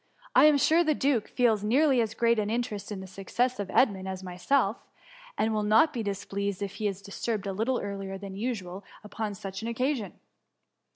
I am sure the duke feels nearly as great an interest in the success of Edmund as myself, and will not be dis pleased if he be disturbed a little earlier than usual upon such an occasion.